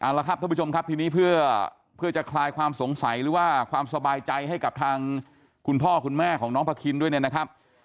เอาละครับท่านผู้ชมครับทีนี้เพื่อจะคลายความสงสัยหรือว่าความสบายใจให้กับทางคุณพ่อคุณแม่ของน้องพาคินด้วยเนี่ยนะครับ